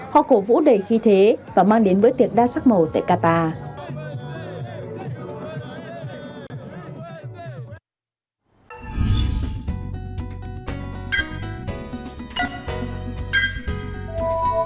họ cổ vũ đầy khí thế và mang đến bữa tiệc đa sắc màu tại qatar